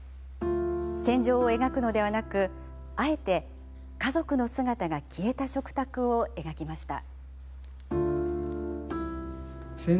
戦場を描くのではなくあえて家族の姿が消えた食卓を描きました。